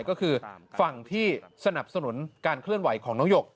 ก็คือฝั่งที่สนับสนุนการเคลื่อนไหวของน้องหยก